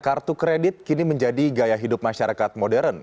kartu kredit kini menjadi gaya hidup masyarakat modern